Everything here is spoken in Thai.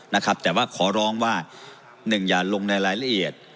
นะครับแต่ว่าขอร้องว่าหนึ่งอย่าลงในรายละเอียด